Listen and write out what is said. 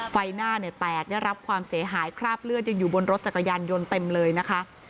ไฟหน้าเนี่ยแตกได้รับความเสียหายคราบเลือดยังอยู่บนรถจักรยานยนต์เต็มเลยนะคะ